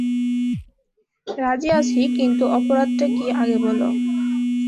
রাজি আছি, কিন্তু অপরাধটা কী আগে বলো।